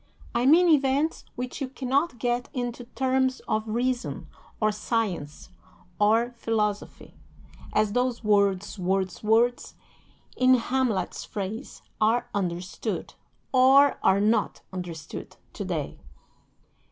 I mean events which you cannot get into terms of reason, or science, or philosophy as those 'words, words, words,' in Hamlet's phrase, are understood (or are not understood) to day."